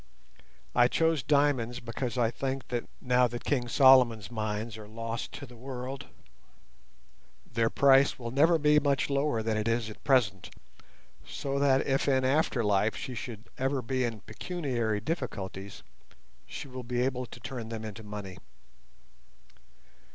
I chose diamonds because I think that now that King Solomon's Mines are lost to the world, their price will never be much lower than it is at present, so that if in after life she should ever be in pecuniary difficulties, she will be able to turn them into money.